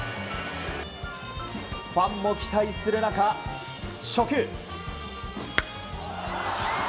ファンも期待する中、初球。